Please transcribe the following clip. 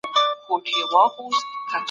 د ادب په اړه پوهه تر بل هر څه غوښتونکي ده.